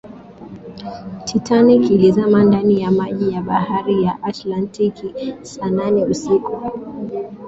titanic ilizama ndani ya maji ya bahari ya atlantiki saa nane usiku